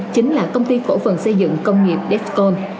chính là công ty cổ phần xây dựng công nghiệp defcon